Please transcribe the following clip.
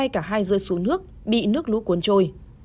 hai cả hai rơi xuống nước bị nước lũ cuốn trôi